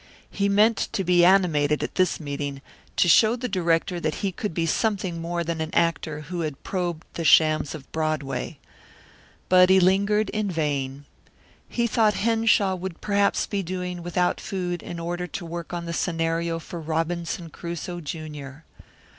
He meant to be animated at this meeting, to show the director that he could be something more than an actor who had probed the shams of Broadway. But he lingered in vain. He thought Henshaw would perhaps be doing without food in order to work on the scenario for Robinson Crusoe, Junior.